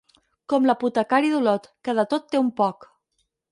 Com l'apotecari d'Olot, que de tot té un poc.